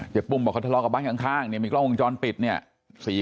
เจ๊ปุ้มบอกว่าเขาทะเลาะกับบ้านข้างมีกล้องวงจรปิดเนี่ย